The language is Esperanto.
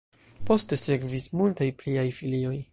Poste sekvis multaj pliaj filioj.